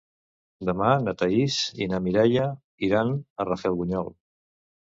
Demà na Thaís i na Mireia iran a Rafelbunyol.